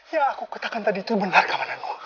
yang aku katakan tadi itu benar kamanan